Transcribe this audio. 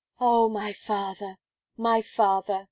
"Oh! my father my father!"